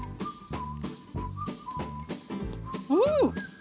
うん！